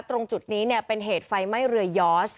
ตรงจุดนี้เป็นเหตุไฟไหม้เรือยอร์ส